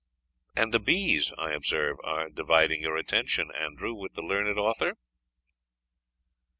"And the bees, I observe, were dividing your attention, Andrew, with the learned author?"